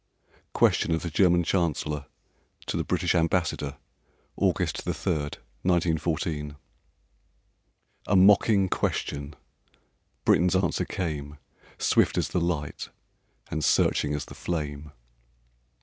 Question of the German Chancellor to the British Ambassador, August 3, 1914. A mocking question! Britain's answer came Swift as the light and searching as the flame.